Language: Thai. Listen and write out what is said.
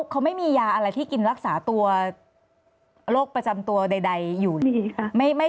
เขาไม่มียาอะไรที่กินรักษาตัวโรคประจำตัวใดอยู่ดีค่ะ